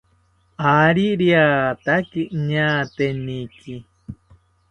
Ari riataki ñaateniki